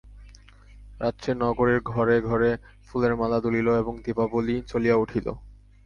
রাত্রে নগরের ঘরে ঘরে ফুলের মালা দুলিল এবং দীপাবলী জ্বলিয়া উঠিল।